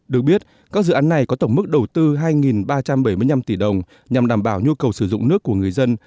được biết các dự án này có tổng mức đầu tư hai ba trăm bảy mươi năm tỷ đồng nhằm đảm bảo nhu cầu sử dụng nước của người dân